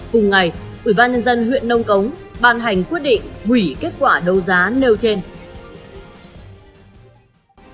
cùng ngày ủy ban nhân dân huyện nông cống bàn hành quyết định hủy kết quả đấu giá nêu trên